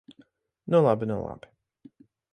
Nu labi, nu labi!